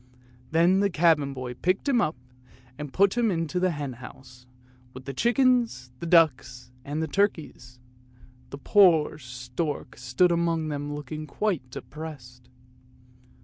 Then the cabin boy picked him up and put him into the henhouse, with the chickens, and ducks and turkeys; the poor stork stood among them looking quite depressed.